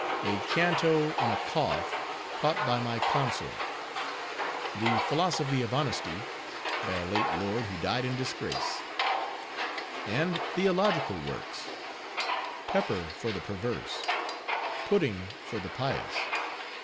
"A Canto on a Cough caught by my Consort." "The Philosophy of Honesty, by a late Lord, who died in disgrace." And theological works:— "Pepper for the Perverse." "Pudding for the Pious."